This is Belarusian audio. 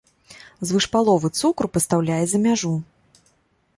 Звыш паловы цукру пастаўляе за мяжу.